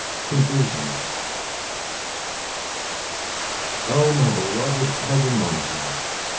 CONCLUSION Oh, my beloved cousin Monica!